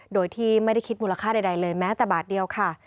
โดยที่ไม่ได้คิดมูลค่าใดเลยแม้แต่บาทเดียวค่ะ